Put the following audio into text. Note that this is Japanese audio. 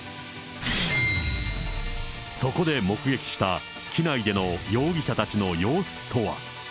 そこで目撃した、機内での容疑者たちの様子とは。